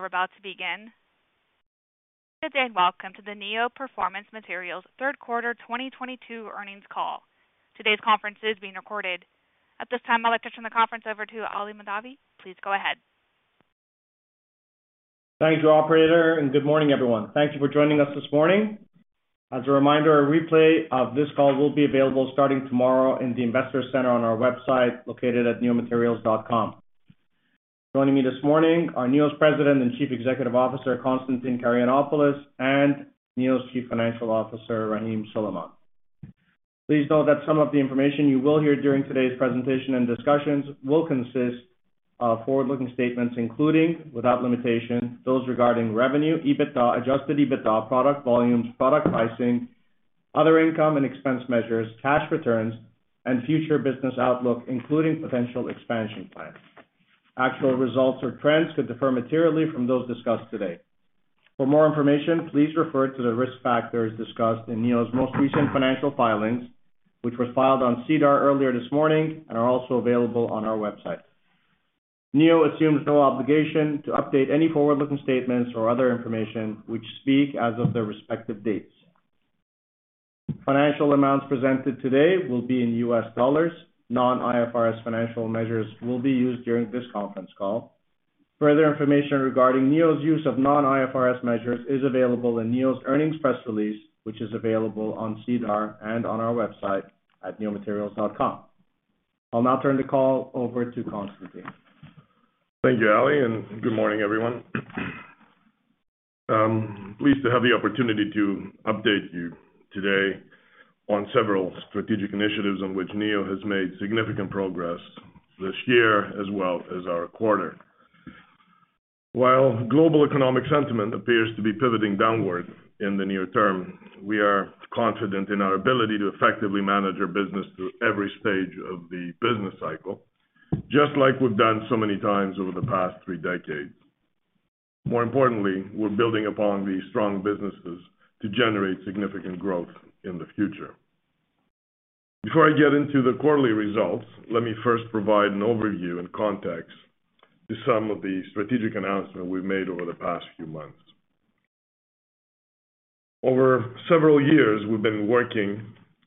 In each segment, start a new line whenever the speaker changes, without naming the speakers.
We're about to begin. Good day, and welcome to the Neo Performance Materials Third Quarter 2022 Earnings Call. Today's conference is being recorded. At this time, I'd like to turn the conference over to Ali Mahdavi. Please go ahead.
Thank you, operator, and good morning, everyone. Thank you for joining us this morning. As a reminder, a replay of this call will be available starting tomorrow in the Investor Center on our website, located at neomaterials.com. Joining me this morning are Neo's President and Chief Executive Officer, Constantine Karayannopoulos, and Neo's Chief Financial Officer, Rahim Suleman. Please note that some of the information you will hear during today's presentation and discussions will consist of forward-looking statements, including, without limitation, those regarding revenue, EBITDA, Adjusted EBITDA, product volumes, product pricing, other income and expense measures, cash returns, and future business outlook, including potential expansion plans. Actual results or trends could differ materially from those discussed today. For more information, please refer to the risk factors discussed in Neo's most recent financial filings, which were filed on SEDAR earlier this morning and are also available on our website. Neo assumes no obligation to update any forward-looking statements or other information which speak as of their respective dates. Financial amounts presented today will be in US dollars. Non-IFRS financial measures will be used during this conference call. Further information regarding Neo's use of non-IFRS measures is available in Neo's earnings press release, which is available on SEDAR and on our website at neomaterials.com. I'll now turn the call over to Constantine.
Thank you, Ali, and good morning, everyone. Pleased to have the opportunity to update you today on several strategic initiatives on which Neo has made significant progress this year, as well as our quarter. While global economic sentiment appears to be pivoting downward in the near term, we are confident in our ability to effectively manage our business through every stage of the business cycle, just like we've done so many times over the past three decades. More importantly, we're building upon these strong businesses to generate significant growth in the future. Before I get into the quarterly results, let me first provide an overview and context to some of the strategic announcements we've made over the past few months. Over several years, we've been working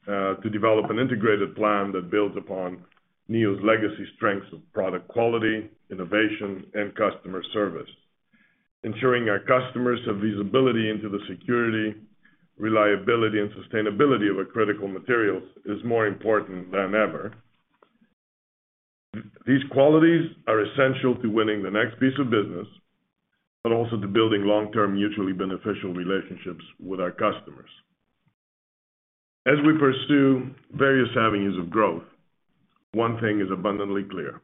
to develop an integrated plan that builds upon Neo's legacy strengths of product quality, innovation, and customer service. Ensuring our customers have visibility into the security, reliability, and sustainability of our critical materials is more important than ever. These qualities are essential to winning the next piece of business, but also to building long-term mutually beneficial relationships with our customers. As we pursue various avenues of growth, one thing is abundantly clear.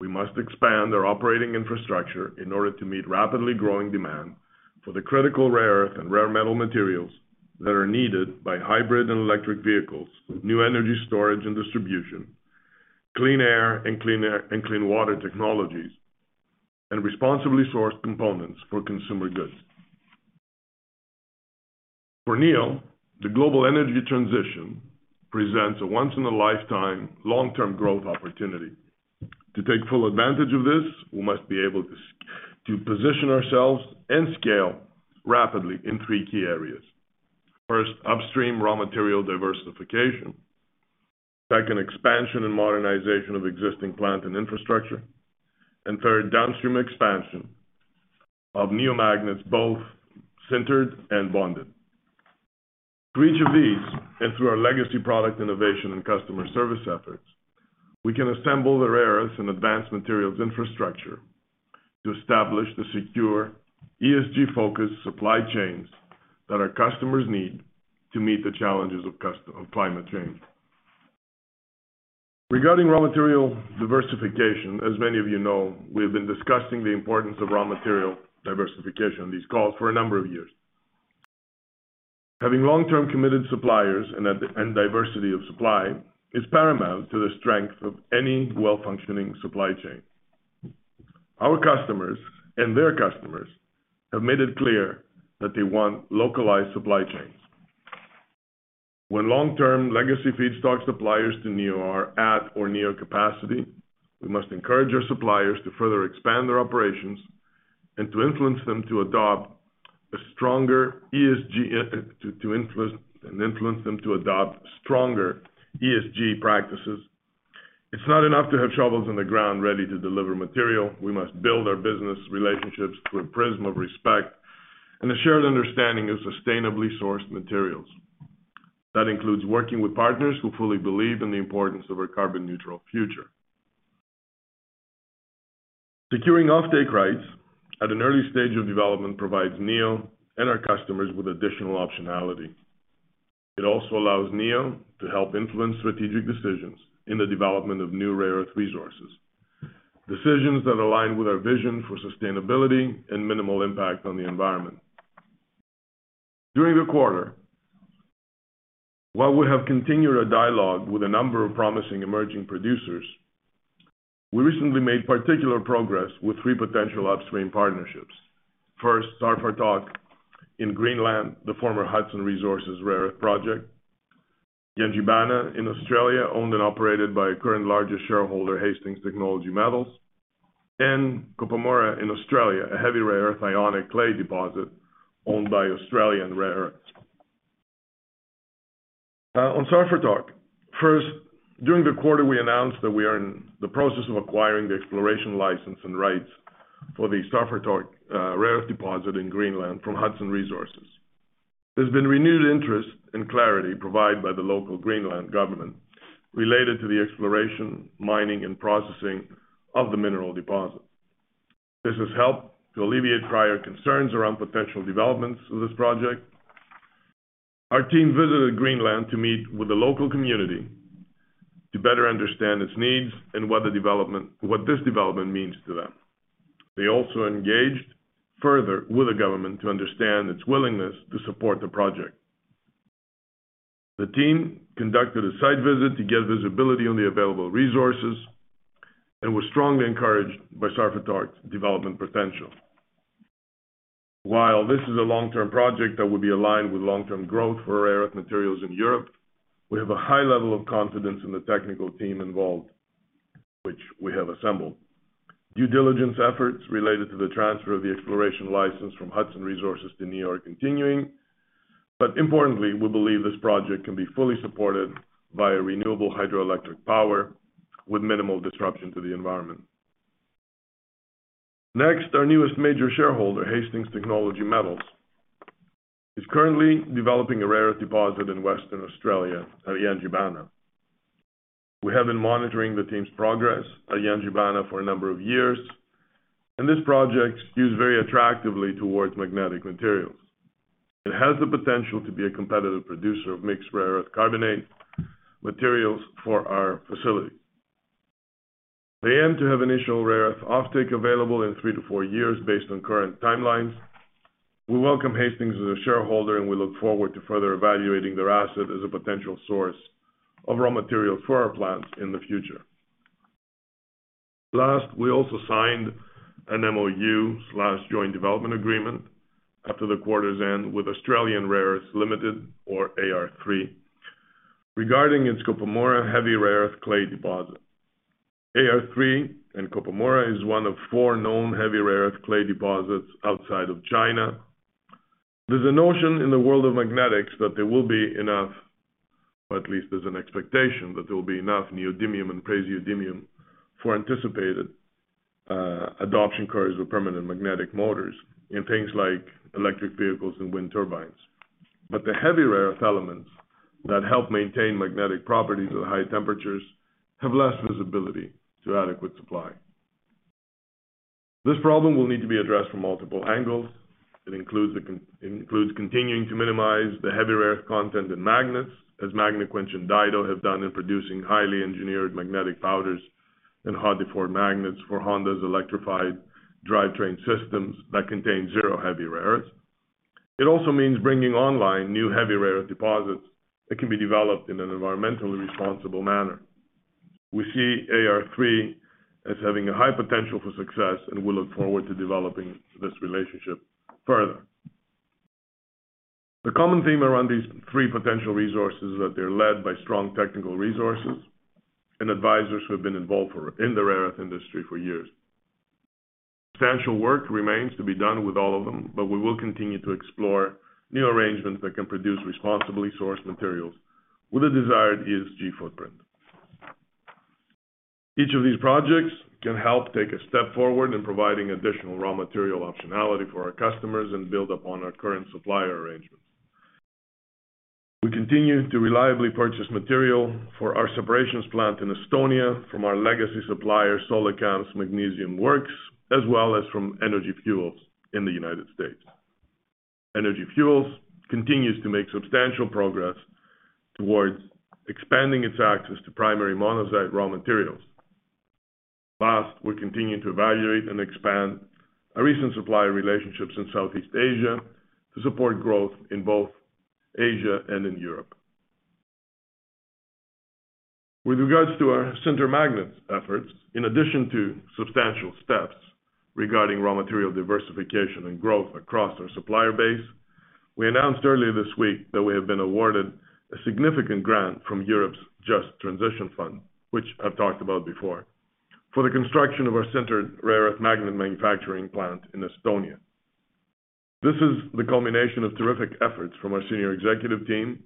We must expand our operating infrastructure in order to meet rapidly growing demand for the critical rare earth and rare metal materials that are needed by hybrid and electric vehicles, new energy storage and distribution, clean air and clean water technologies, and responsibly sourced components for consumer goods. For Neo, the global energy transition presents a once-in-a-lifetime long-term growth opportunity. To take full advantage of this, we must be able to position ourselves and scale rapidly in three key areas. First, upstream raw material diversification. Second, expansion and modernization of existing plant and infrastructure. Third, downstream expansion of Neo magnets, both sintered and bonded. Through each of these, and through our legacy product innovation and customer service efforts, we can assemble the rare earth in advanced materials infrastructure to establish the secure ESG-focused supply chains that our customers need to meet the challenges of of climate change. Regarding raw material diversification, as many of you know, we have been discussing the importance of raw material diversification on these calls for a number of years. Having long-term committed suppliers and and diversity of supply is paramount to the strength of any well-functioning supply chain. Our customers and their customers have made it clear that they want localized supply chains. When long-term legacy feedstock suppliers to Neo are at or near capacity, we must encourage their suppliers to further expand their operations and to influence them to adopt stronger ESG practices. It's not enough to have shovels in the ground ready to deliver material. We must build our business relationships through a prism of respect and a shared understanding of sustainably sourced materials. That includes working with partners who fully believe in the importance of our carbon neutral future. Securing offtake rights at an early stage of development provides Neo and our customers with additional optionality. It also allows Neo to help influence strategic decisions in the development of new rare earth resources, decisions that align with our vision for sustainability and minimal impact on the environment. During the quarter, while we have continued our dialogue with a number of promising emerging producers, we recently made particular progress with three potential upstream partnerships. First, Sarfartoq in Greenland, the former Hudson Resources Rare Earth project, Yangibana in Australia, owned and operated by our current largest shareholder, Hastings Technology Metals, and Koppamurra in Australia, a heavy rare earth ionic clay deposit owned by Australian Rare Earths. On Sarfartoq, during the quarter, we announced that we are in the process of acquiring the exploration license and rights for the Sarfartoq rare earth deposit in Greenland from Hudson Resources. There's been renewed interest and clarity provided by the local Greenland government related to the exploration, mining, and processing of the mineral deposit. This has helped to alleviate prior concerns around potential developments of this project. Our team visited Greenland to meet with the local community to better understand its needs and what this development means to them. They also engaged further with the government to understand its willingness to support the project. The team conducted a site visit to get visibility on the available resources and was strongly encouraged by Sarfartoq's development potential. While this is a long-term project that would be aligned with long-term growth for rare earth materials in Europe, we have a high level of confidence in the technical team involved, which we have assembled. Due diligence efforts related to the transfer of the exploration license from Hudson Resources to Neo are continuing, but importantly, we believe this project can be fully supported by renewable hydroelectric power with minimal disruption to the environment. Next, our newest major shareholder, Hastings Technology Metals, is currently developing a rare deposit in Western Australia at Yangibana. We have been monitoring the team's progress at Yangibana for a number of years, and this project skews very attractively towards magnetic materials. It has the potential to be a competitive producer of mixed rare earth carbonate materials for our facility. They aim to have initial rare earth offtake available in 3-4 years based on current timelines. We welcome Hastings as a shareholder, and we look forward to further evaluating their asset as a potential source of raw material for our plants in the future. Last, we also signed an MOU/joint development agreement after the quarter's end with Australian Rare Earths Limited or ARE regarding its Koppamurra heavy rare earth clay deposit. ARE and Koppamurra is one of four known heavy rare earth clay deposits outside of China. There's a notion in the world of magnetics that there will be enough, or at least there's an expectation that there will be enough neodymium and praseodymium for anticipated adoption curves with permanent magnetic motors in things like electric vehicles and wind turbines. The heavy rare earth elements that help maintain magnetic properties at high temperatures have less visibility to adequate supply. This problem will need to be addressed from multiple angles. It includes continuing to minimize the heavy rare earth content in magnets, as Magnequench and Daido have done in producing highly engineered magnetic powders and hard deformed magnets for Honda's electrified drivetrain systems that contain zero heavy rare earths. It also means bringing online new heavy rare earth deposits that can be developed in an environmentally responsible manner. We see AR3 as having a high potential for success, and we look forward to developing this relationship further. The common theme around these three potential resources is that they're led by strong technical resources and advisors who have been involved in the rare earth industry for years. Substantial work remains to be done with all of them, but we will continue to explore new arrangements that can produce responsibly sourced materials with a desired ESG footprint. Each of these projects can help take a step forward in providing additional raw material optionality for our customers and build upon our current supplier arrangements. We continue to reliably purchase material for our separations plant in Estonia from our legacy supplier, Solikamsk Magnesium Works, as well as from Energy Fuels in the United States. Energy Fuels continues to make substantial progress towards expanding its access to primary monazite raw materials. Last, we're continuing to evaluate and expand our recent supplier relationships in Southeast Asia to support growth in both Asia and in Europe. With regards to our Sintered Magnets efforts, in addition to substantial steps regarding raw material diversification and growth across our supplier base, we announced earlier this week that we have been awarded a significant grant from Europe's Just Transition Fund, which I've talked about before, for the construction of our Sintered Rare Earth Magnet manufacturing plant in Estonia. This is the culmination of terrific efforts from our senior executive team,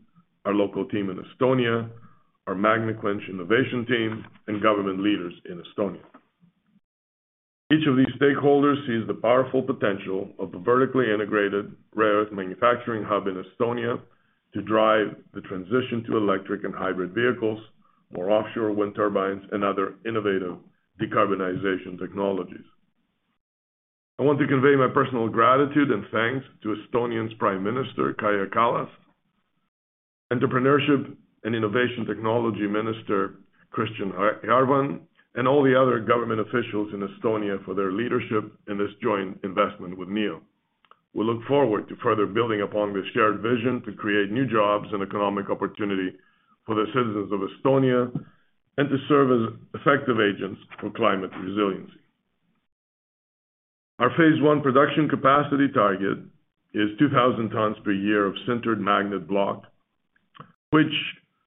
our local team in Estonia, our Magnequench innovation team, and government leaders in Estonia. Each of these stakeholders sees the powerful potential of the vertically integrated rare earth manufacturing hub in Estonia to drive the transition to electric and hybrid vehicles, more offshore wind turbines, and other innovative decarbonization technologies. I want to convey my personal gratitude and thanks to Estonia's Prime Minister, Kaja Kallas, Minister of Entrepreneurship and Information Technology, Kristjan Järvan, and all the other government officials in Estonia for their leadership in this joint investment with Neo. We look forward to further building upon this shared vision to create new jobs and economic opportunity for the citizens of Estonia and to serve as effective agents for climate resiliency. Our phase one production capacity target is 2,000 tons per year of sintered magnet block, which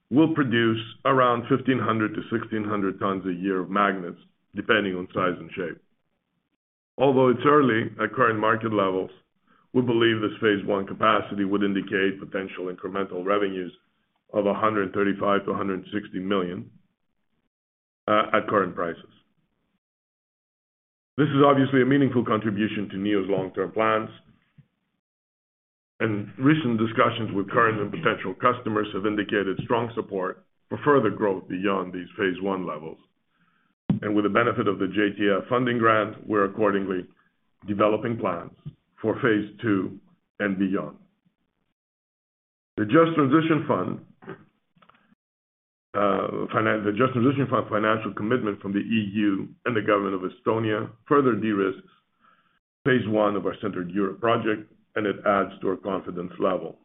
will produce around 1,500-1,600 tons a year of magnets, depending on size and shape. Although it's early at current market levels, we believe this phase one capacity would indicate potential incremental revenues of $135 million-$160 million at current prices. This is obviously a meaningful contribution to Neo's long-term plans, and recent discussions with current and potential customers have indicated strong support for further growth beyond these phase one levels. With the benefit of the JTF funding grant, we're accordingly developing plans for phase two and beyond. The Just Transition Fund financial commitment from the EU and the government of Estonia further de-risks phase one of our sintered Europe project, and it adds to our confidence level.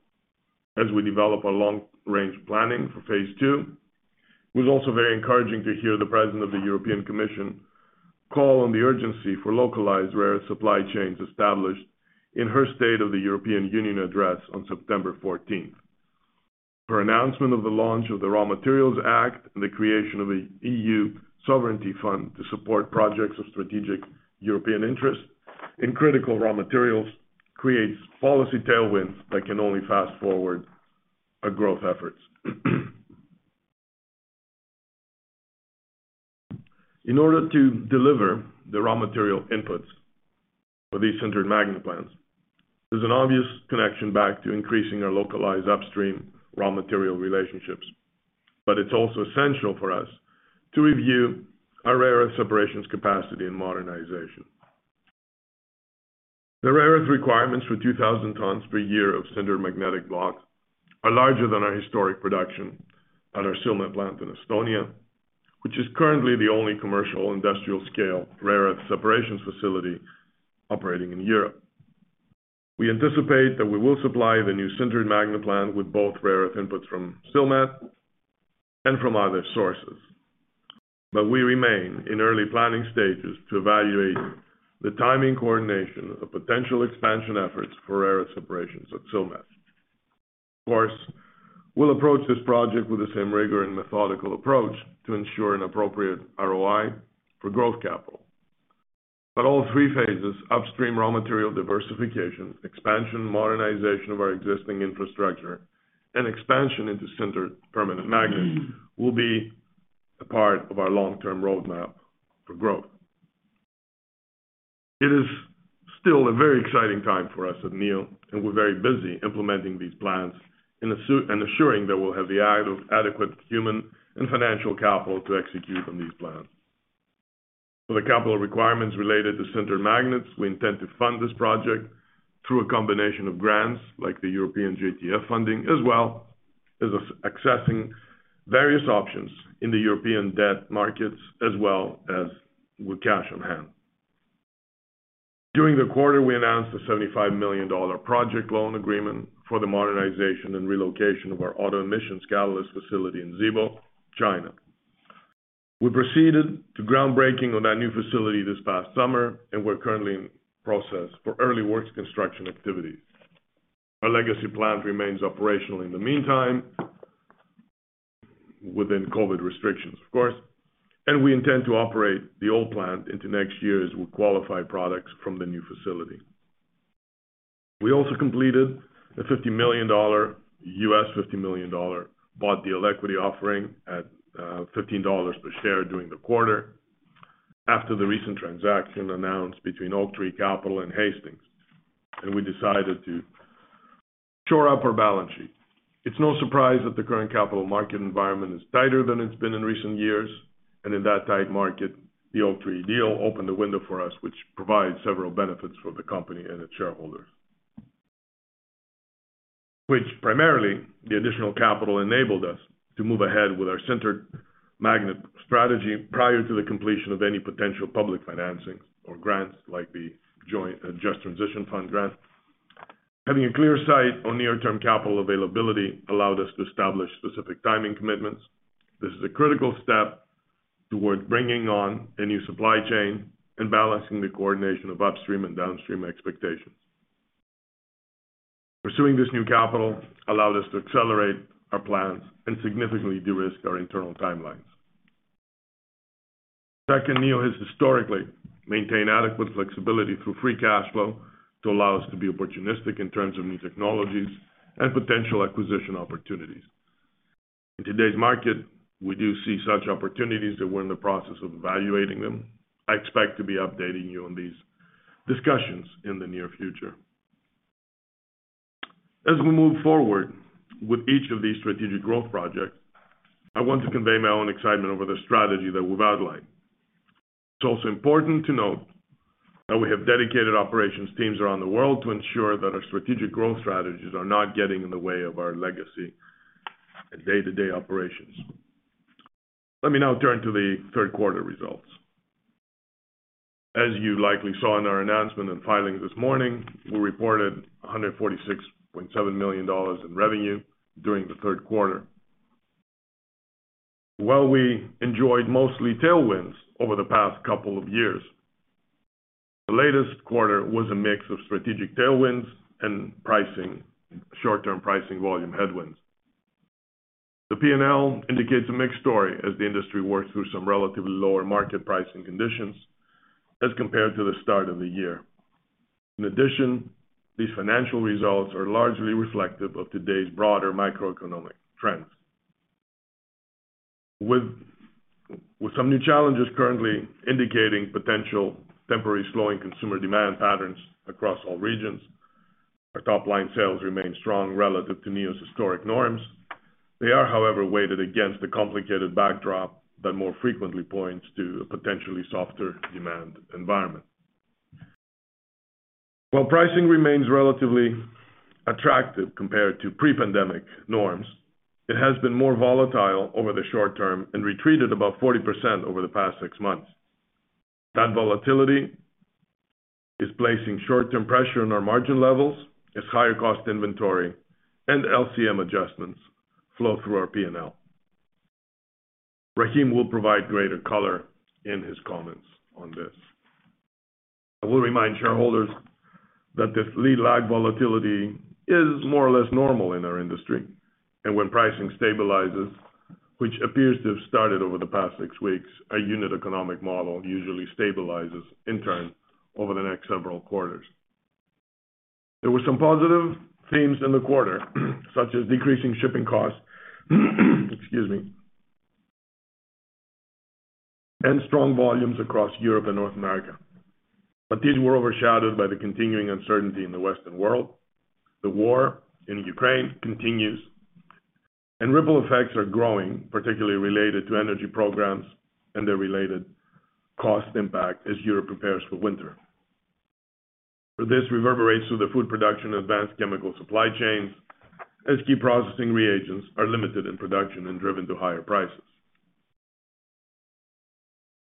As we develop our long-range planning for phase two, it was also very encouraging to hear the President of the European Commission call on the urgency for localized rare earth supply chains established in her State of the European Union address on September 14th. Her announcement of the launch of the Critical Raw Materials Act and the creation of a European Sovereignty Fund to support projects of strategic European interest in critical raw materials creates policy tailwinds that can only fast-forward our growth efforts. In order to deliver the raw material inputs for these sintered magnet plants, there's an obvious connection back to increasing our localized upstream raw material relationships, but it's also essential for us to review our rare earth separations capacity and modernization. The rare earth requirements for 2,000 tons per year of sintered magnetic blocks are larger than our historic production at our Silmet plant in Estonia, which is currently the only commercial industrial scale rare earth separations facility operating in Europe. We anticipate that we will supply the new sintered magnet plant with both rare earth inputs from Silmet and from other sources. We remain in early planning stages to evaluate the timing coordination of potential expansion efforts for rare earth separations at Silmet. Of course, we'll approach this project with the same rigor and methodical approach to ensure an appropriate ROI for growth capital. All three phases, upstream raw material diversification, expansion modernization of our existing infrastructure, and expansion into sintered permanent magnets will be a part of our long-term roadmap for growth. It is still a very exciting time for us at Neo, and we're very busy implementing these plans and assuring that we'll have the adequate human and financial capital to execute on these plans. For the capital requirements related to sintered magnets, we intend to fund this project through a combination of grants, like the European JTF funding, as well as accessing various options in the European debt markets as well as with cash on hand. During the quarter, we announced a $75 million project loan agreement for the modernization and relocation of our auto emissions catalyst facility in Zibo, China. We proceeded to groundbreaking on that new facility this past summer, and we're currently in process for early works construction activities. Our legacy plant remains operational in the meantime, within COVID restrictions, of course, and we intend to operate the old plant into next year as we qualify products from the new facility. We also completed a $50 million bought deal equity offering at $15 per share during the quarter after the recent transaction announced between Oaktree Capital and Hastings, and we decided to shore up our balance sheet. It's no surprise that the current capital market environment is tighter than it's been in recent years. In that tight market, the Oaktree deal opened a window for us which provides several benefits for the company and its shareholders. Which primarily the additional capital enabled us to move ahead with our sintered magnet strategy prior to the completion of any potential public financing or grants like the Just Transition Fund grant. Having a clear sight on near-term capital availability allowed us to establish specific timing commitments. This is a critical step toward bringing on a new supply chain and balancing the coordination of upstream and downstream expectations. Pursuing this new capital allowed us to accelerate our plans and significantly de-risk our internal timelines. Second, Neo has historically maintained adequate flexibility through free cash flow to allow us to be opportunistic in terms of new technologies and potential acquisition opportunities. In today's market, we do see such opportunities that we're in the process of evaluating them. I expect to be updating you on these discussions in the near future. As we move forward with each of these strategic growth projects, I want to convey my own excitement over the strategy that we've outlined. It's also important to note that we have dedicated operations teams around the world to ensure that our strategic growth strategies are not getting in the way of our legacy and day-to-day operations. Let me now turn to the third quarter results. As you likely saw in our announcement and filing this morning, we reported $146.7 million in revenue during the third quarter. While we enjoyed mostly tailwinds over the past couple of years, the latest quarter was a mix of strategic tailwinds and pricing, short-term pricing volume headwinds. The P&L indicates a mixed story as the industry works through some relatively lower market pricing conditions as compared to the start of the year. In addition, these financial results are largely reflective of today's broader macroeconomic trends. With some new challenges currently indicating potential temporary slowing consumer demand patterns across all regions, our top-line sales remain strong relative to Neo's historic norms. They are, however, weighted against the complicated backdrop that more frequently points to a potentially softer demand environment. While pricing remains relatively attractive compared to pre-pandemic norms, it has been more volatile over the short term and retreated about 40% over the past 6 months. That volatility is placing short-term pressure on our margin levels as higher cost inventory and LCM adjustments flow through our P&L. Rahim will provide greater color in his comments on this. I will remind shareholders that this lead-lag volatility is more or less normal in our industry. When pricing stabilizes, which appears to have started over the past 6 weeks, our unit economic model usually stabilizes in turn over the next several quarters. There were some positive themes in the quarter, such as decreasing shipping costs, excuse me, and strong volumes across Europe and North America. These were overshadowed by the continuing uncertainty in the Western world. The war in Ukraine continues, and ripple effects are growing, particularly related to energy programs and their related cost impact as Europe prepares for winter. This reverberates through the food production and advanced chemical supply chains as key processing reagents are limited in production and driven to higher prices.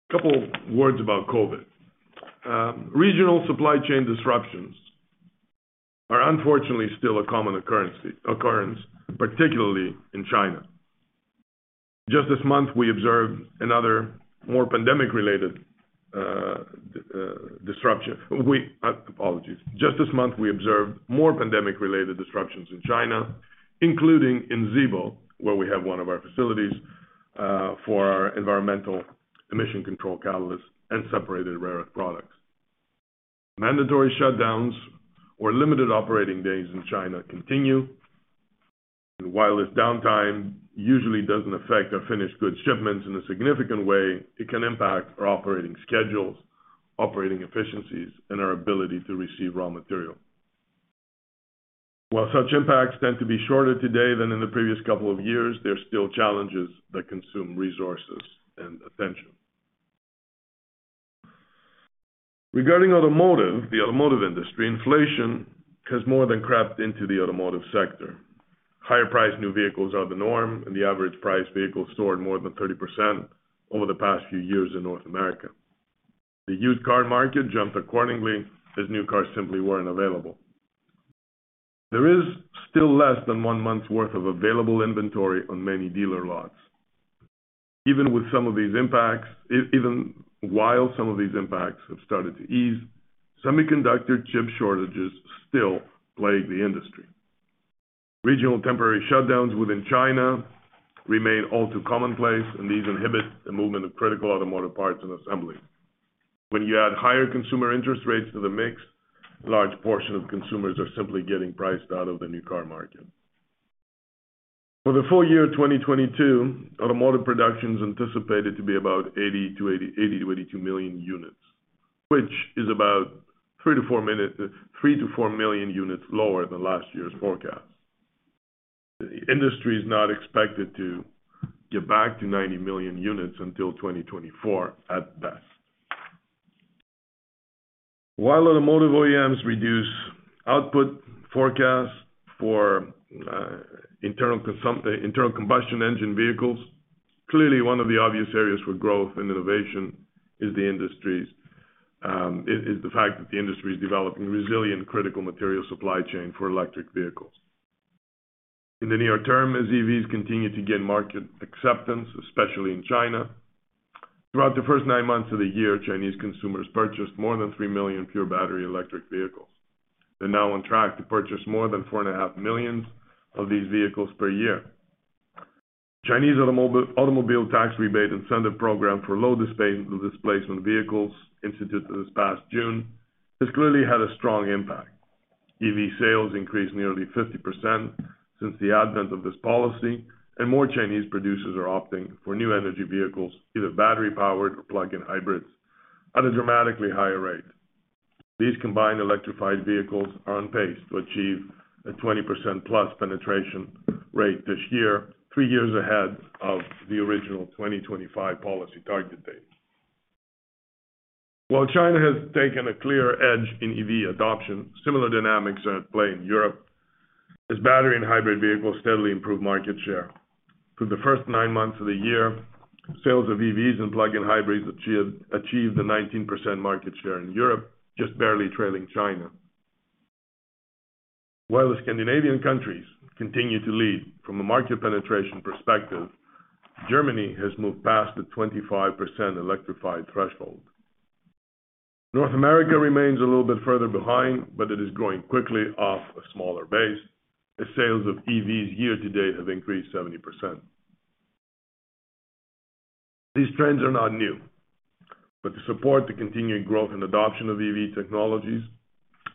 A couple words about COVID. Regional supply chain disruptions are unfortunately still a common occurrence, particularly in China. Just this month, we observed more pandemic-related disruptions in China, including in Zibo, where we have one of our facilities, for our emissions control catalyst and separated rare earth products. Mandatory shutdowns or limited operating days in China continue. While this downtime usually doesn't affect our finished goods shipments in a significant way, it can impact our operating schedules, operating efficiencies, and our ability to receive raw material. While such impacts tend to be shorter today than in the previous couple of years, there are still challenges that consume resources and attention. Regarding automotive, the automotive industry, inflation has more than crept into the automotive sector. Higher-priced new vehicles are the norm, and the average priced vehicle soared more than 30% over the past few years in North America. The used car market jumped accordingly as new cars simply weren't available. There is still less than one month's worth of available inventory on many dealer lots. Even while some of these impacts have started to ease, semiconductor chip shortages still plague the industry. Regional temporary shutdowns within China remain all too commonplace, and these inhibit the movement of critical automotive parts and assembly. When you add higher consumer interest rates to the mix, large portion of consumers are simply getting priced out of the new car market. For the full year 2022, automotive production is anticipated to be about 80-82 million units, which is about 3-4 million units lower than last year's forecast. The industry is not expected to get back to 90 million units until 2024 at best. While automotive OEMs reduce output forecasts for internal combustion engine vehicles, clearly one of the obvious areas for growth and innovation is the fact that the industry is developing resilient critical material supply chain for electric vehicles. In the near term, as EVs continue to gain market acceptance, especially in China, throughout the first 9 months of the year, Chinese consumers purchased more than 3 million pure battery electric vehicles. They're now on track to purchase more than 4.5 million of these vehicles per year. Chinese automobile tax rebate incentive program for low displacement vehicles instituted this past June has clearly had a strong impact. EV sales increased nearly 50% since the advent of this policy, and more Chinese producers are opting for new energy vehicles, either battery-powered or plug-in hybrids, at a dramatically higher rate. These combined electrified vehicles are on pace to achieve a 20%+ penetration rate this year, 3 years ahead of the original 2025 policy target date. While China has taken a clear edge in EV adoption, similar dynamics are at play in Europe as battery and hybrid vehicles steadily improve market share. Through the first nine months of the year, sales of EVs and plug-in hybrids achieved a 19% market share in Europe, just barely trailing China. While the Scandinavian countries continue to lead from a market penetration perspective, Germany has moved past the 25% electrified threshold. North America remains a little bit further behind, but it is growing quickly off a smaller base as sales of EVs year-to-date have increased 70%. These trends are not new, to support the continuing growth and adoption of EV technologies,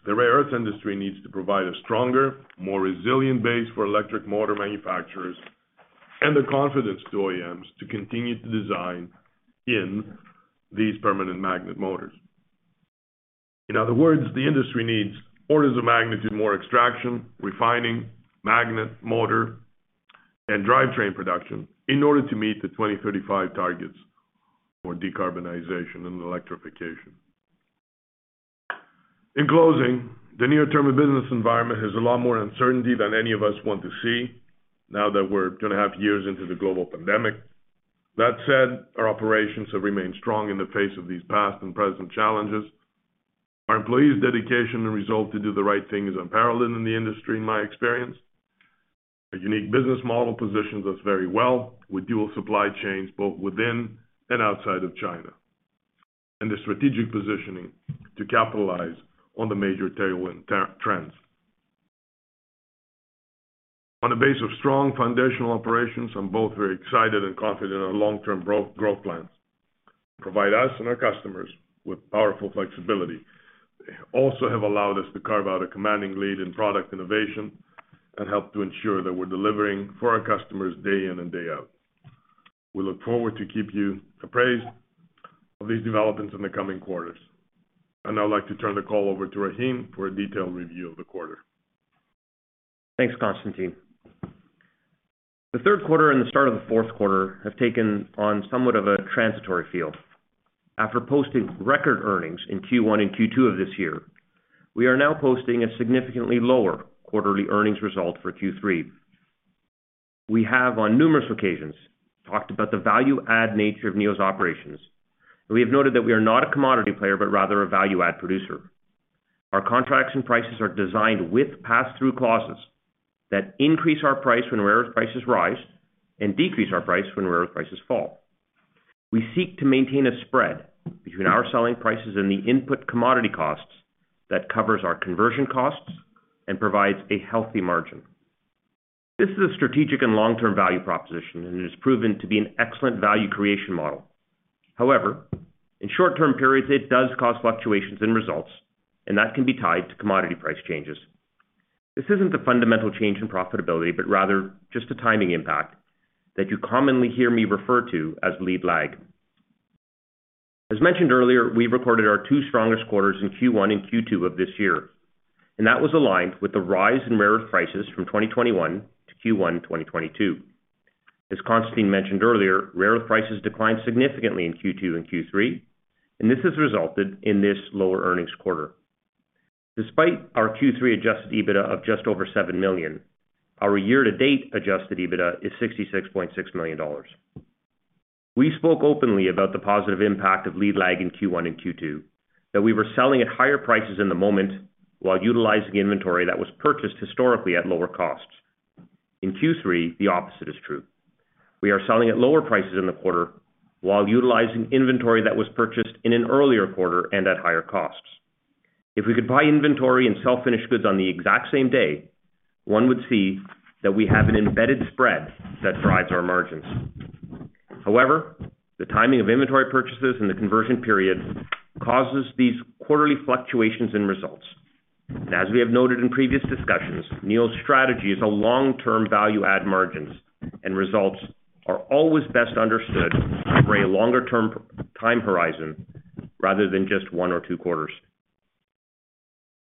the rare earths industry needs to provide a stronger, more resilient base for electric motor manufacturers and the confidence to OEMs to continue to design in these permanent magnet motors. In other words, the industry needs orders of magnitude more extraction, refining, magnet, motor, and drivetrain production in order to meet the 2035 targets for decarbonization and electrification. In closing, the near-term business environment has a lot more uncertainty than any of us want to see now that we're two and a half years into the global pandemic. That said, our operations have remained strong in the face of these past and present challenges. Our employees' dedication and resolve to do the right thing is unparalleled in the industry, in my experience. Our unique business model positions us very well with dual supply chains both within and outside of China, and the strategic positioning to capitalize on the major tailwind trends. On the base of strong foundational operations, I'm both very excited and confident in our long-term growth plans provide us and our customers with powerful flexibility. Also have allowed us to carve out a commanding lead in product innovation and help to ensure that we're delivering for our customers day in and day out. We look forward to keep you apprised of these developments in the coming quarters. I'd now like to turn the call over to Rahim for a detailed review of the quarter.
Thanks, Constantine. The third quarter and the start of the fourth quarter have taken on somewhat of a transitory feel. After posting record earnings in Q1 and Q2 of this year, we are now posting a significantly lower quarterly earnings result for Q3. We have, on numerous occasions, talked about the value add nature of Neo's operations, and we have noted that we are not a commodity player, but rather a value add producer. Our contracts and prices are designed with pass-through clauses that increase our price when rare earth prices rise and decrease our price when rare earth prices fall. We seek to maintain a spread between our selling prices and the input commodity costs that covers our conversion costs and provides a healthy margin. This is a strategic and long-term value proposition, and it has proven to be an excellent value creation model. However, in short-term periods, it does cause fluctuations in results, and that can be tied to commodity price changes. This isn't a fundamental change in profitability, but rather just a timing impact that you commonly hear me refer to as lead-lag. As mentioned earlier, we recorded our two strongest quarters in Q1 and Q2 of this year, and that was aligned with the rise in rare earth prices from 2021 to Q1 2022. As Constantine mentioned earlier, rare earth prices declined significantly in Q2 and Q3, and this has resulted in this lower earnings quarter. Despite our Q3 Adjusted EBITDA of just over $7 million, our year-to-date Adjusted EBITDA is $66.6 million. We spoke openly about the positive impact of lead-lag in Q1 and Q2, that we were selling at higher prices in the moment while utilizing inventory that was purchased historically at lower costs. In Q3, the opposite is true. We are selling at lower prices in the quarter while utilizing inventory that was purchased in an earlier quarter and at higher costs. If we could buy inventory and sell finished goods on the exact same day, one would see that we have an embedded spread that drives our margins. However, the timing of inventory purchases and the conversion period causes these quarterly fluctuations in results. As we have noted in previous discussions, Neo's strategy is a long-term value add margins and results are always best understood over a longer-term time horizon rather than just one or two quarters.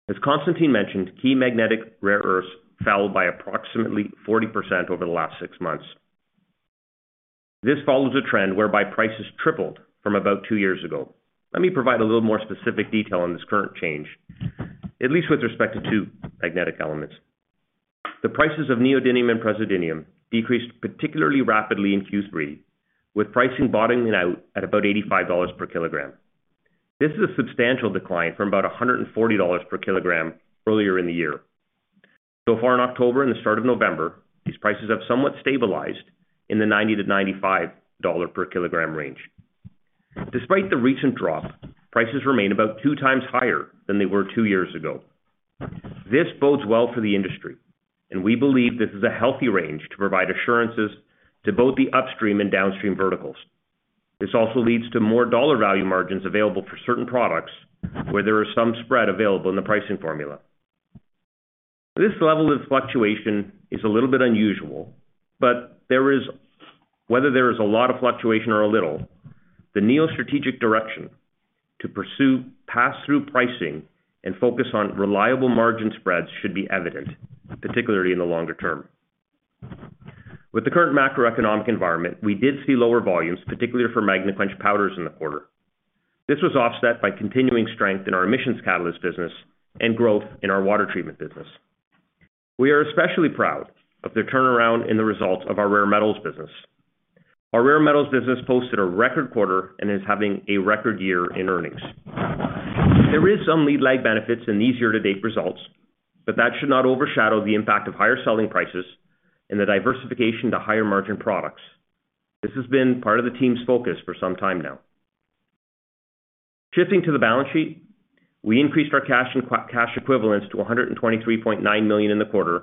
As Constantine mentioned, key magnetic rare earths fell by approximately 40% over the last six months. This follows a trend whereby prices tripled from about two years ago. Let me provide a little more specific detail on this current change, at least with respect to two magnetic elements. The prices of neodymium and praseodymium decreased particularly rapidly in Q3, with pricing bottoming out at about $85 per kg. This is a substantial decline from about $140 per kg earlier in the year. So far in October and the start of November, these prices have somewhat stabilized in the $90-$95 per kg range. Despite the recent drop, prices remain about 2x higher than they were two years ago. This bodes well for the industry, and we believe this is a healthy range to provide assurances to both the upstream and downstream verticals. This also leads to more dollar value margins available for certain products where there is some spread available in the pricing formula. This level of fluctuation is a little bit unusual, but there is, whether there is a lot of fluctuation or a little, the Neo strategic direction to pursue pass-through pricing and focus on reliable margin spreads should be evident, particularly in the longer term. With the current macroeconomic environment, we did see lower volumes, particularly for Magnequench powders in the quarter. This was offset by continuing strength in our emissions catalyst business and growth in our water treatment business. We are especially proud of the turnaround in the results of our rare metals business. Our rare metals business posted a record quarter and is having a record year in earnings. There is some lead-lag benefits in these year-to-date results, but that should not overshadow the impact of higher selling prices and the diversification to higher margin products. This has been part of the team's focus for some time now. Shifting to the balance sheet, we increased our cash and cash equivalents to $123.9 million in the quarter,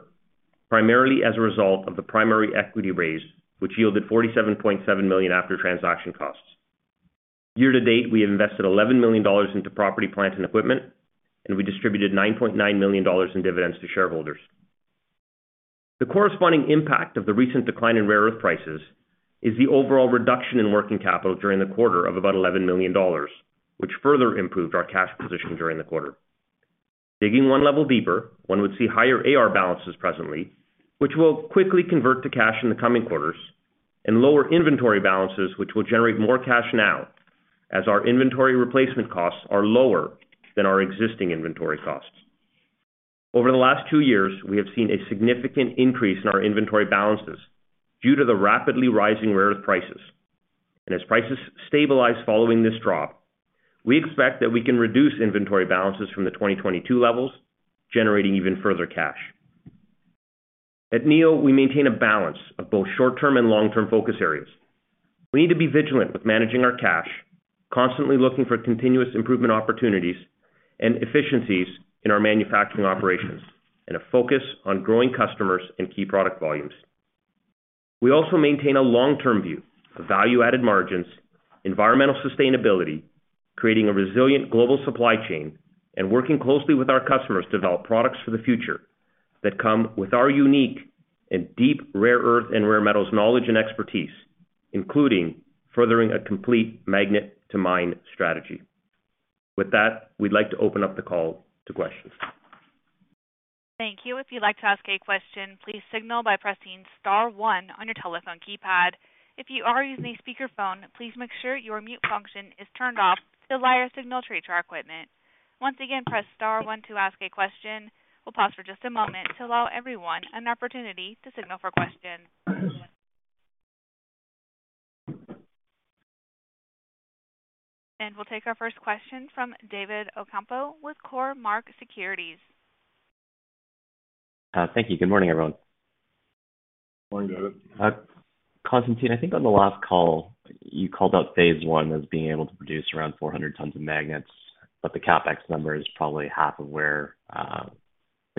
primarily as a result of the primary equity raise, which yielded $47.7 million after transaction costs. Year to date, we invested $11 million into property, plant, and equipment, and we distributed $9.9 million in dividends to shareholders. The corresponding impact of the recent decline in rare earth prices is the overall reduction in working capital during the quarter of about $11 million, which further improved our cash position during the quarter. Digging one level deeper, one would see higher AR balances presently, which will quickly convert to cash in the coming quarters and lower inventory balances, which will generate more cash now as our inventory replacement costs are lower than our existing inventory costs. Over the last two years, we have seen a significant increase in our inventory balances due to the rapidly rising rare earth prices. As prices stabilize following this drop, we expect that we can reduce inventory balances from the 2022 levels, generating even further cash. At Neo, we maintain a balance of both short-term and long-term focus areas. We need to be vigilant with managing our cash, constantly looking for continuous improvement opportunities and efficiencies in our manufacturing operations, and a focus on growing customers and key product volumes. We also maintain a long-term view of value-added margins, environmental sustainability, creating a resilient global supply chain, and working closely with our customers to develop products for the future that come with our unique and deep rare earth and rare metals knowledge and expertise, including furthering a complete magnet to mine strategy. With that, we'd like to open up the call to questions.
Thank you. If you'd like to ask a question, please signal by pressing star one on your telephone keypad. If you are using a speakerphone, please make sure your mute function is turned off to allow your signal to reach our equipment. Once again, press star one to ask a question. We'll pause for just a moment to allow everyone an opportunity to signal for questions. We'll take our first question from David Ocampo with Cormark Securities.
Thank you. Good morning, everyone.
Good morning, David.
Constantine, I think on the last call, you called out phase one as being able to produce around 400 tons of magnets, but the CapEx number is probably half of where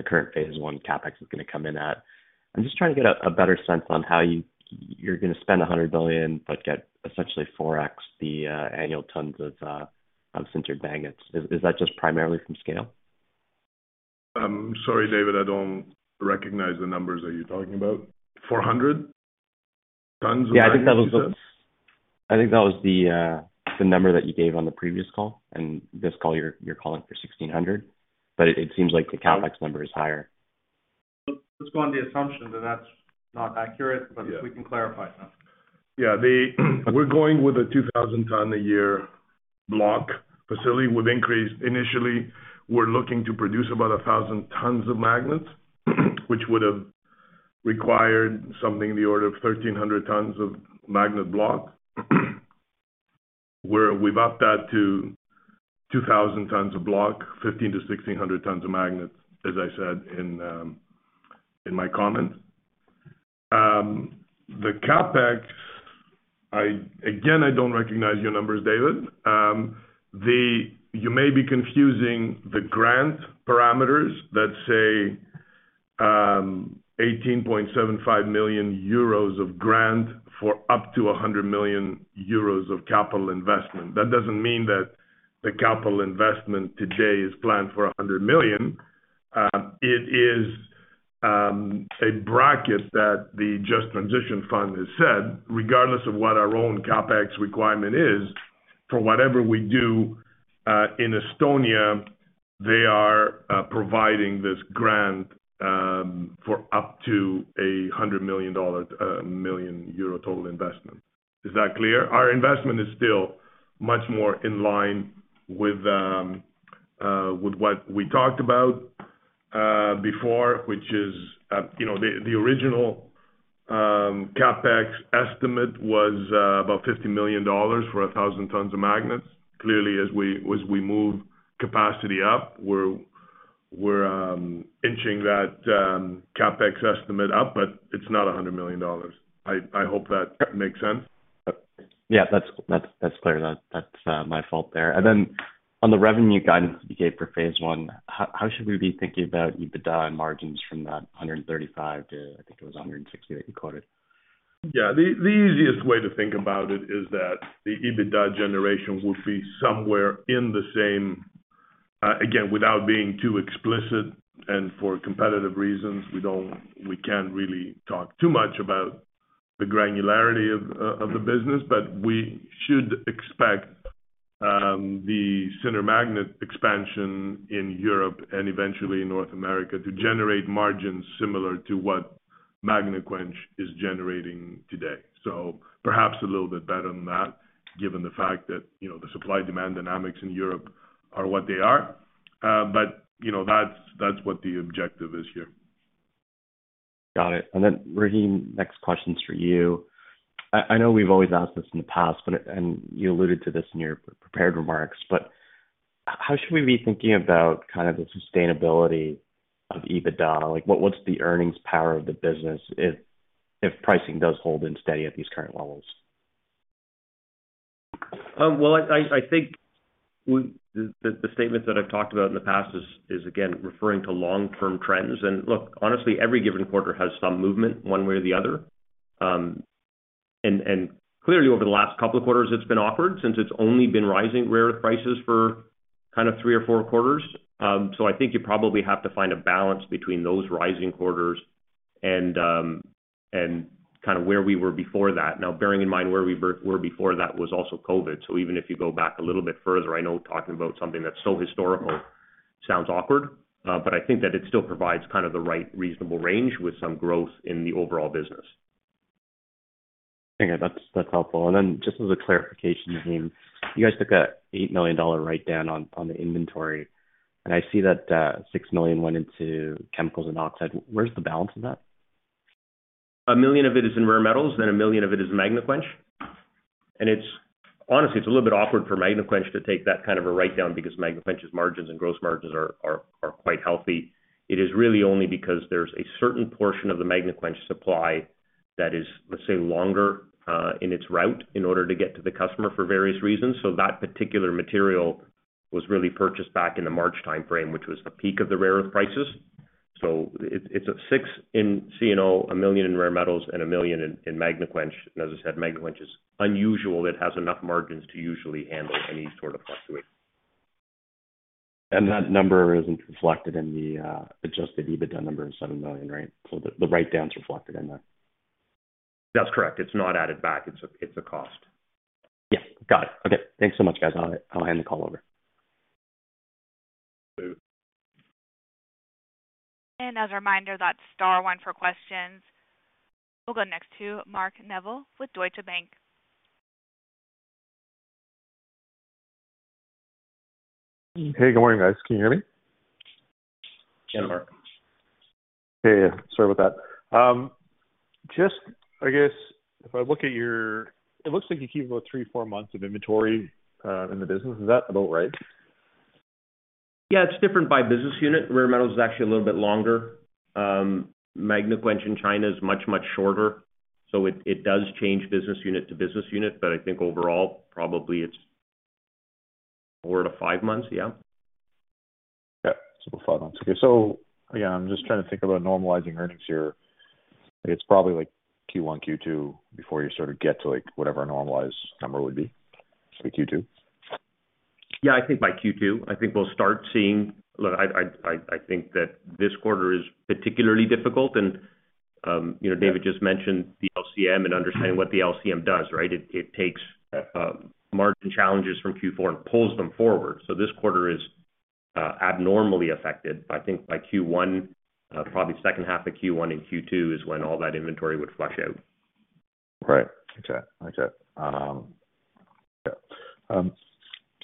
the current phase one CapEx is going to come in at. I'm just trying to get a better sense on how you're gonna spend $100 million, but get essentially 4x the annual tons of sintered magnets. Is that just primarily from scale?
I'm sorry, David, I don't recognize the numbers that you're talking about. 400 tons of magnets you said?
Yeah, I think that was the number that you gave on the previous call. This call you're calling for 1,600, but it seems like the CapEx number is higher.
Let's go on the assumption that that's not accurate.
Yeah.
We can clarify it now.
We're going with a 2,000-ton-a-year block facility with increase. Initially, we're looking to produce about 1,000 tons of magnets, which would have required something in the order of 1,300 tons of magnet block. We've upped that to 2,000 tons of block, 1,500-1,600 tons of magnets, as I said in my comments. The CapEx, again, I don't recognize your numbers, David. You may be confusing the grant parameters that say 18.75 million euros of grant for up to 100 million euros of capital investment. That doesn't mean that the capital investment today is planned for 100 million. It is a bracket that the Just Transition Fund has said, regardless of what our own CapEx requirement is for whatever we do in Estonia, they are providing this grant for up to EUR 100 million total investment. Is that clear? Our investment is still much more in line with what we talked about before, which is, you know, the original CapEx estimate was about $50 million for 1,000 tons of magnets. Clearly, as we move capacity up, we're inching that CapEx estimate up, but it's not $100 million. I hope that makes sense.
Yeah. That's clear. That's my fault there. On the revenue guidance that you gave for phase one, how should we be thinking about EBITDA margins from that $135 to, I think it was a $160 that you quoted?
Yeah. The easiest way to think about it is that the EBITDA generation would be somewhere in the same. Again, without being too explicit and for competitive reasons, we can't really talk too much about the granularity of the business, but we should expect the sintered magnet expansion in Europe and eventually North America to generate margins similar to what Magnequench is generating today. Perhaps a little bit better than that, given the fact that, you know, the supply-demand dynamics in Europe are what they are. But you know, that's what the objective is here.
Got it. Rahim, next question's for you. I know we've always asked this in the past, but you alluded to this in your prepared remarks, but how should we be thinking about kind of the sustainability of EBITDA? Like, what's the earnings power of the business if pricing does hold steady at these current levels?
I think the statements that I've talked about in the past is again referring to long-term trends. Look, honestly, every given quarter has some movement one way or the other. Clearly over the last couple of quarters it's been awkward since it's only been rising rare earth prices for kind of 3 or 4 quarters. I think you probably have to find a balance between those rising quarters and kind of where we were before that. Now, bearing in mind where we were before that was also COVID. Even if you go back a little bit further, I know talking about something that's so historical sounds awkward, but I think that it still provides kind of the right reasonable range with some growth in the overall business.
Okay. That's helpful. Then just as a clarification, Rahim, you guys took an $8 million write-down on the inventory, and I see that $6 million went into Chemicals and Oxides. Where's the balance in that?
$1 million of it is in rare metals, then $1 million of it is Magnequench. It's honestly a little bit awkward for Magnequench to take that kind of a write down because Magnequench's margins and gross margins are quite healthy. It is really only because there's a certain portion of the Magnequench supply that is, let's say, longer in its route in order to get to the customer for various reasons. That particular material was really purchased back in the March timeframe, which was the peak of the rare earth prices. It's $6 million in C&O, $1 million in rare metals and $1 million in Magnequench. As I said, Magnequench is unusual. It has enough margins to usually handle any sort of fluctuation.
That number isn't reflected in the Adjusted EBITDA number in $7 million, right? The write-down's reflected in that.
That's correct. It's not added back. It's a cost.
Yeah. Got it. Okay. Thanks so much, guys. I'll hand the call over.
As a reminder, that's star one for questions. We'll go next to Mark Neville with Deutsche Bank.
Hey, good morning, guys. Can you hear me?
Can, Mark.
Hey, sorry about that. It looks like you keep about 3-4 months of inventory in the business. Is that about right?
Yeah, it's different by business unit. Rare metals is actually a little bit longer. Magnequench in China is much, much shorter, so it does change business unit to business unit. I think overall probably it's 4-5 months. Yeah.
Yeah. 5 months. Okay. Again, I'm just trying to think about normalizing earnings here. It's probably like Q1, Q2 before you sort of get to like whatever a normalized number would be. Say Q2.
Yeah, I think by Q2. I think we'll start seeing. Look, I think that this quarter is particularly difficult and, you know, David just mentioned the LCM and understanding what the LCM does, right? It takes margin challenges from Q4 and pulls them forward. This quarter is abnormally affected. I think by Q1, probably second half of Q1 and Q2 is when all that inventory would flush out.
Okay.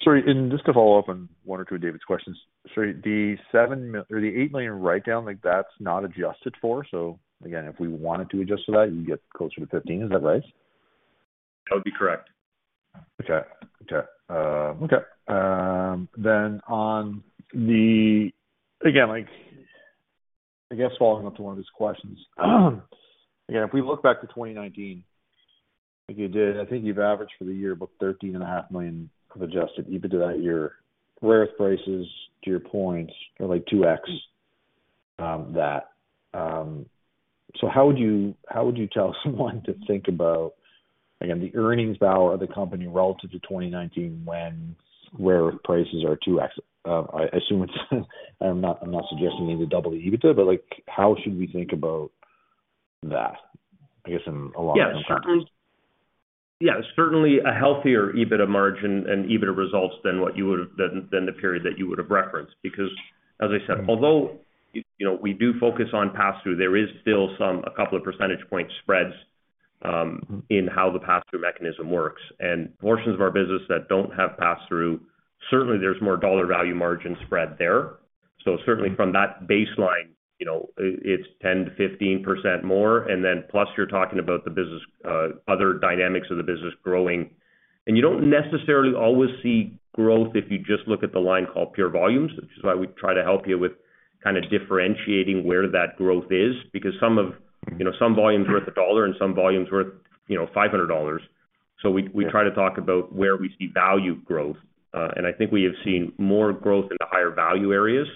Sorry, just to follow up on one or two of David's questions. Sorry, the $7 million or the $8 million write down, like that's not adjusted for. Again, if we wanted to adjust to that, you get closer to 15. Is that right?
That would be correct.
Again, like I guess following up to one of his questions. Again, if we look back to 2019, like you did, I think you've averaged for the year about $13.5 million of Adjusted EBITDA at your rare prices to your point are like 2x that. So how would you tell someone to think about, again, the earnings power of the company relative to 2019 when rare prices are 2x? I assume it's. I'm not suggesting you need to double the EBITDA, but like how should we think about that, I guess in a long-term context?
Yeah. Certainly, yeah. Certainly a healthier EBITDA margin and EBITDA results than the period that you would have referenced. Because as I said, although you know, we do focus on passthrough, there is still some a couple of percentage point spreads in how the passthrough mechanism works. Portions of our business that don't have passthrough, certainly there's more dollar value margin spread there. Certainly from that baseline, you know, it's 10%-15% more. Plus you're talking about the business other dynamics of the business growing. You don't necessarily always see growth if you just look at the line called pure volumes, which is why we try to help you with kind of differentiating where that growth is. Because some of, you know, some volume's worth $1 and some volume's worth, you know, $500. We try to talk about where we see value growth. I think we have seen more growth in the higher value areas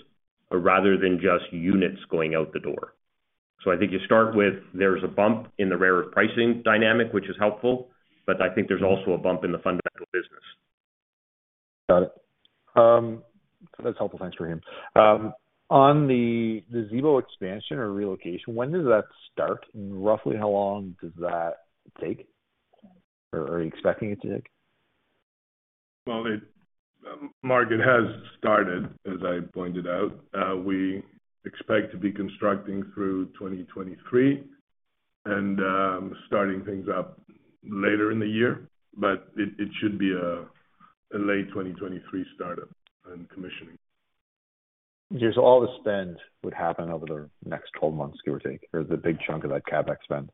rather than just units going out the door. I think you start with there's a bump in the rare earth pricing dynamic, which is helpful, but I think there's also a bump in the fundamental business.
Got it. That's helpful. Thanks, Rahim. On the Zibo expansion or relocation, when does that start? And roughly how long does that take or are you expecting it to take?
Well, Mark, it has started, as I pointed out. We expect to be constructing through 2023. Starting things up later in the year, but it should be a late 2023 startup and commissioning.
Just all the spend would happen over the next 12 months, give or take, or the big chunk of that CapEx spend?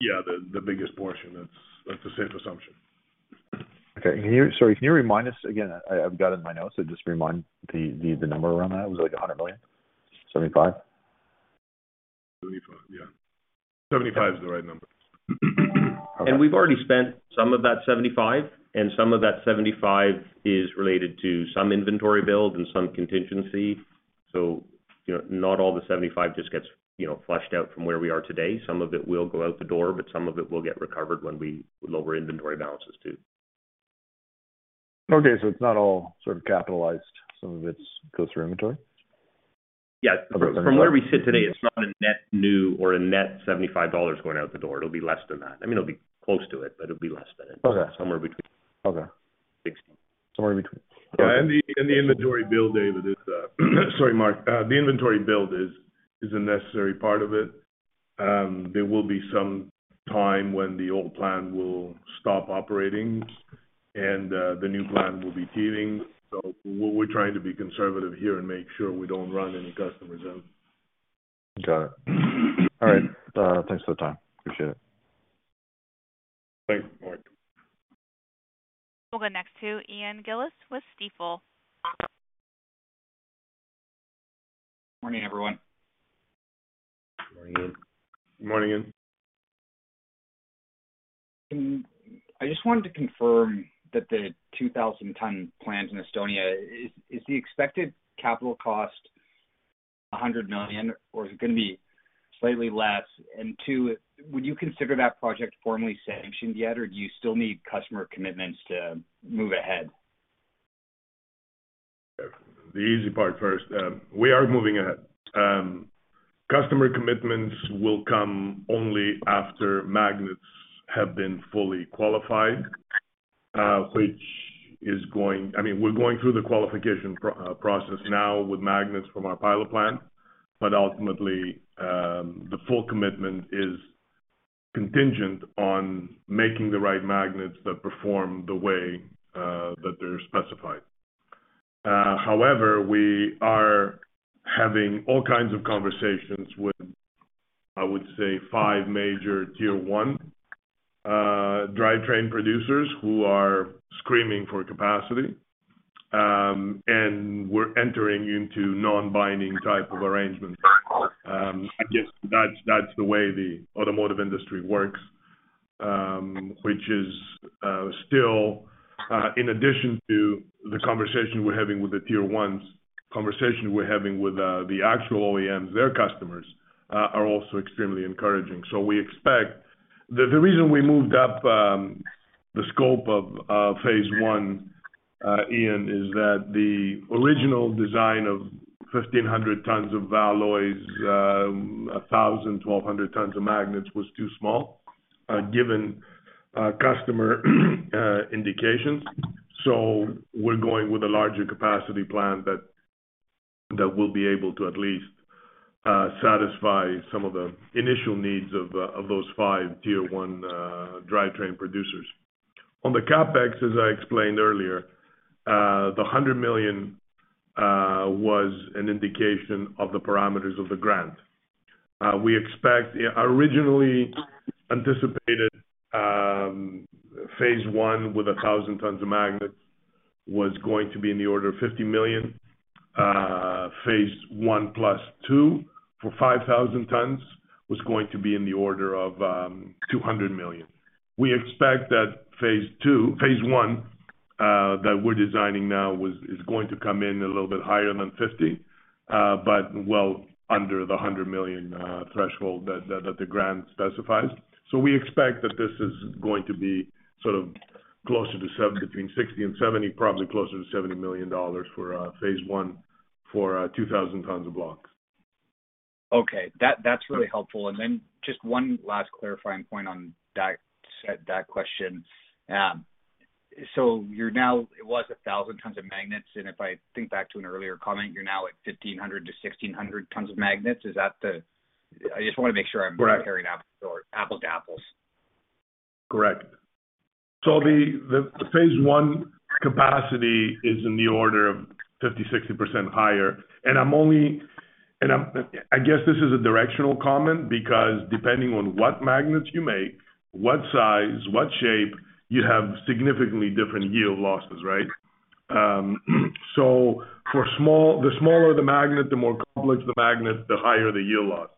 Yeah. The biggest portion, that's a safe assumption.
Okay. Sorry, can you remind us again? I've got in my notes, so just remind the number around that. Was it, like, $100 million? 75?
75. Yeah. 75 is the right number.
Okay.
We've already spent some of that $75, and some of that $75 is related to some inventory build and some contingency. You know, not all the $75 just gets, you know, flushed out from where we are today. Some of it will go out the door, but some of it will get recovered when we lower inventory balances too.
Okay. It's not all sort of capitalized. Some of it goes through inventory?
Yeah. From where we sit today, it's not a net new or a net $75 going out the door. It'll be less than that. I mean, it'll be close to it, but it'll be less than it.
Okay.
Somewhere between.
Okay.
Sixteen.
Somewhere between. Okay.
The inventory build, David, is... Sorry, Mark. The inventory build is a necessary part of it. There will be some time when the old plant will stop operating and the new plant will be testing. We're trying to be conservative here and make sure we don't run any customers out.
Got it. All right. Thanks for the time. Appreciate it.
Thanks, Mark.
We'll go next to Ian Gillies with Stifel.
Morning, everyone.
Morning.
Morning.
I just wanted to confirm that the 2,000-ton plant in Estonia is the expected capital cost $100 million or is it gonna be slightly less? Two, would you consider that project formally sanctioned yet, or do you still need customer commitments to move ahead?
The easy part first. We are moving ahead. Customer commitments will come only after magnets have been fully qualified, which I mean we're going through the qualification process now with magnets from our pilot plant. Ultimately, the full commitment is contingent on making the right magnets that perform the way that they're specified. However, we are having all kinds of conversations with, I would say, five major Tier 1 drivetrain producers who are screaming for capacity. We're entering into non-binding type of arrangements. I guess that's the way the automotive industry works, which is still in addition to the conversation we're having with the Tier 1s, conversation we're having with the actual OEMs, their customers are also extremely encouraging. The reason we moved up the scope of phase one, Ian, is that the original design of 1,500 tons of alloys, 1,000-1,200 tons of magnets was too small, given customer indications. We're going with a larger capacity plan that will be able to at least satisfy some of the initial needs of those 5 Tier 1 drivetrain producers. On the CapEx, as I explained earlier, the $100 million was an indication of the parameters of the grant. Originally anticipated, phase one with 1,000 tons of magnets was going to be in the order of $50 million. Phase one plus two for 5,000 tons was going to be in the order of $200 million. We expect that phase one, that we're designing now is going to come in a little bit higher than $50, but well under the $100 million threshold that the grant specifies. We expect that this is going to be sort of closer to between 60 and 70, probably closer to $70 million for phase one for 2,000 tons of blocks.
Okay. That's really helpful. Just one last clarifying point on that set, that question. So it was 1,000 tons of magnets, and if I think back to an earlier comment, you're now at 1,500-1,600 tons of magnets. Is that the I just wanna make sure I'm
Correct.
Comparing apples to apples.
Correct. The phase one capacity is in the order of 50-60% higher. I guess this is a directional comment because depending on what magnets you make, what size, what shape, you have significantly different yield losses, right? The smaller the magnet, the more complex the magnet, the higher the yield loss.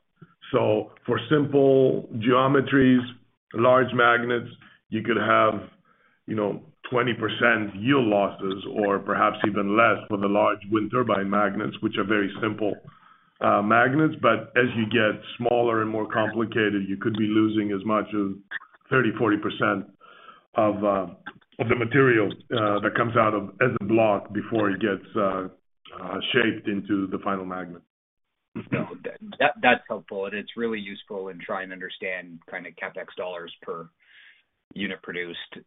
For simple geometries, large magnets, you could have 20% yield losses or perhaps even less with the large wind turbine magnets, which are very simple magnets. As you get smaller and more complicated, you could be losing as much as 30-40% of the material that comes out as a block before it gets shaped into the final magnet.
That's helpful, and it's really useful in trying to understand kinda CapEx dollars per unit produced.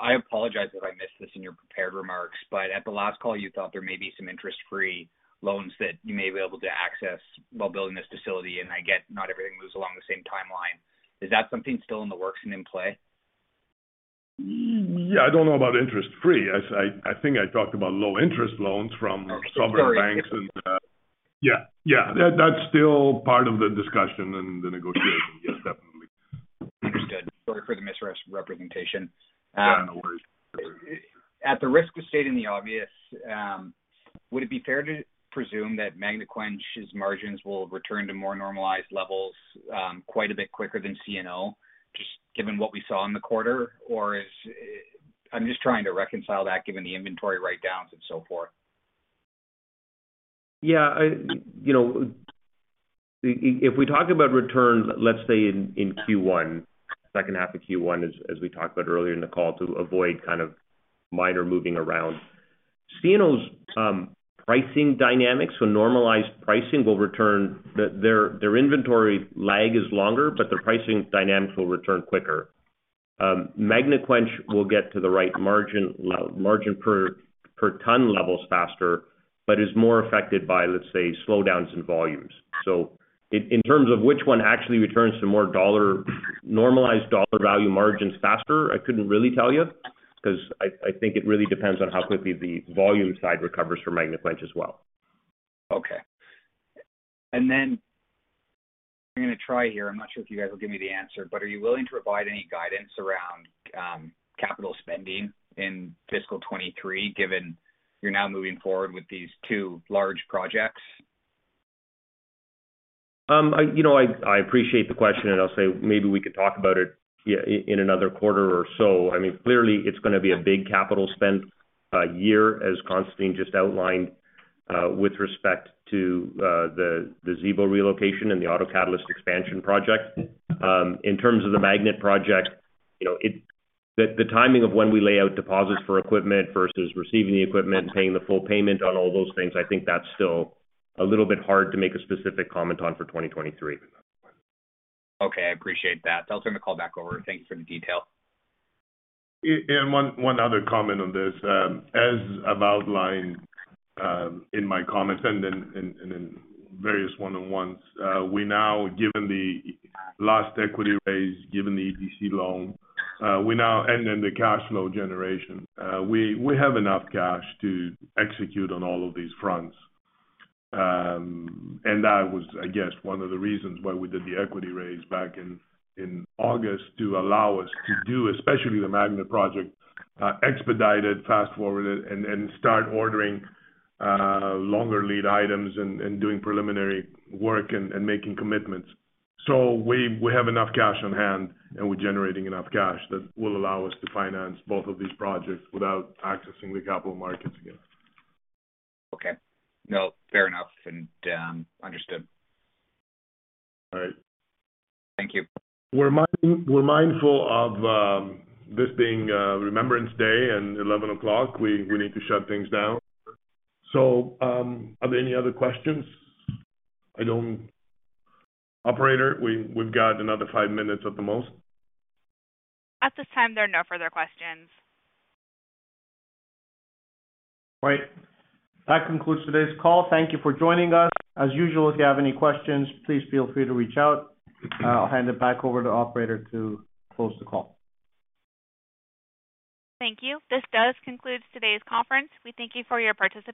I apologize if I missed this in your prepared remarks, but at the last call, you thought there may be some interest-free loans that you may be able to access while building this facility. I get not everything moves along the same timeline. Is that something still in the works and in play?
Yeah. I don't know about interest free. I think I talked about low interest loans from sovereign banks and. Sorry. Yeah, yeah. That, that's still part of the discussion and the negotiation. Yes, definitely.
Understood. Sorry for the misrepresentation.
Yeah, no worries.
At the risk of stating the obvious, would it be fair to presume that Magnequench's margins will return to more normalized levels, quite a bit quicker than C&O, just given what we saw in the quarter? I'm just trying to reconcile that given the inventory write-downs and so forth.
Yeah. You know, if we talk about returns, let's say in Q1, second half of Q1 as we talked about earlier in the call, to avoid kind of minor moving around. C&O's pricing dynamics for normalized pricing will return. Their inventory lag is longer, but their pricing dynamics will return quicker. Magnequench will get to the right margin per ton levels faster, but is more affected by, let's say, slowdowns in volumes. In terms of which one actually returns to normalized dollar value margins faster, I couldn't really tell you because I think it really depends on how quickly the volume side recovers for Magnequench as well.
Okay. I'm gonna try here. I'm not sure if you guys will give me the answer, but are you willing to provide any guidance around capital spending in fiscal 2023, given you're now moving forward with these two large projects?
You know, I appreciate the question, and I'll say maybe we could talk about it in another quarter or so. I mean, clearly it's gonna be a big capital spend year, as Constantine just outlined, with respect to the Zibo relocation and the auto catalyst expansion project. In terms of the Magnet project, you know, the timing of when we lay out deposits for equipment versus receiving the equipment and paying the full payment on all those things, I think that's still a little bit hard to make a specific comment on for 2023.
Okay. I appreciate that. I'll turn the call back over. Thank you for the detail.
One other comment on this. As I've outlined in my comments and in various one-on-ones, we now, given the last equity raise, given the EDC loan, and then the cash flow generation, we have enough cash to execute on all of these fronts. That was, I guess, one of the reasons why we did the equity raise back in August to allow us to do, especially the Magnet project expedited, fast forward it and start ordering longer lead items and doing preliminary work and making commitments. We have enough cash on hand, and we're generating enough cash that will allow us to finance both of these projects without accessing the capital markets again.
Okay. No, fair enough. Understood.
All right.
Thank you.
We're mindful of this being Remembrance Day and 11 o'clock. We need to shut things down. Are there any other questions? Operator, we've got another 5 minutes at the most.
At this time, there are no further questions.
Right. That concludes today's call. Thank you for joining us. As usual, if you have any questions, please feel free to reach out. I'll hand it back over to operator to close the call.
Thank you. This does conclude today's conference. We thank you for your participation.